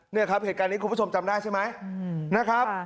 เนี่ยครับเหตุการณ์นี้คุณผู้ชมจำได้ใช่ไหมนะครับ